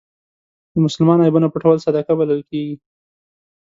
د مسلمان عیبونه پټول صدقه بلل کېږي.